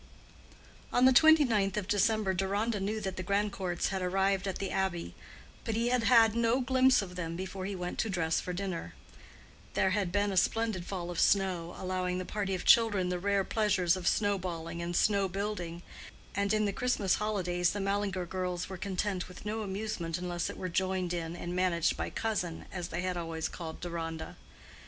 On the twenty ninth of December Deronda knew that the Grandcourts had arrived at the Abbey, but he had had no glimpse of them before he went to dress for dinner. There had been a splendid fall of snow, allowing the party of children the rare pleasures of snow balling and snow building, and in the Christmas holidays the Mallinger girls were content with no amusement unless it were joined in and managed by "cousin," as they had always called Deronda.